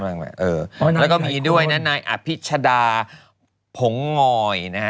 แล้วก็มีด้วยนะนายอภิชดาผงงอยนะฮะ